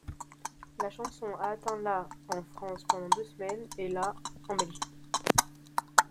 La chanson a atteint la en France pendant deux semaines et la en Belgique.